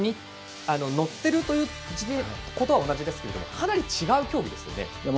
乗ってるのは同じですけどかなり違う競技ですよね。